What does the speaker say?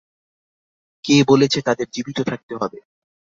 কে বলেছে তাদের জীবিত থাকতে হবে?